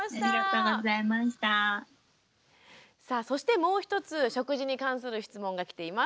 さあそしてもう一つ食事に関する質問が来ています。